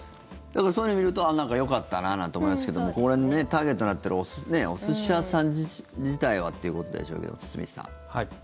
そういうのを見るとよかったななんて思いますけどこれね、ターゲットになってるお寿司屋さん自体はっていうことでしょうけど堤さん。